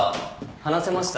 話せました？